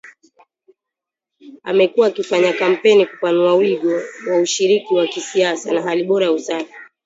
amekuwa akifanya kampeni kupanua wigo wa ushiriki wa kisiasa na hali bora ya usafi